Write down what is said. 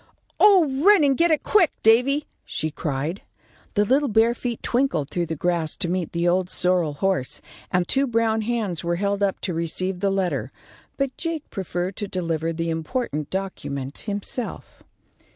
"Oh, run and get it, quick, Davy," she cried. The little bare feet twinkled through the grass to meet the old sorrel horse, and two brown hands were held up to receive the letter; but Jake preferred to deliver the important document himself.